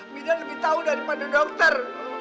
mida lebih tahu daripada dokter